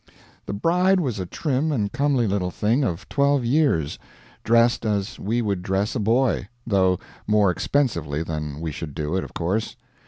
The bride was a trim and comely little thing of twelve years, dressed as we would dress a boy, though more expensively than we should do it, of course.